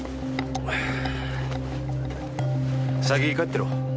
先帰ってろ。